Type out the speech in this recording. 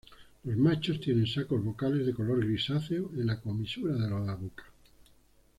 Los machos tienen sacos vocales de color grisáceo en las comisuras de la boca.